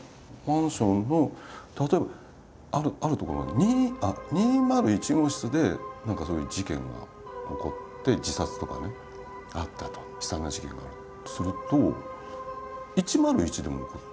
マンションの例えばある所に２０１号室で何かそういう事件が起こって自殺とかねあったと悲惨な事件があるとすると１０１でも起こる。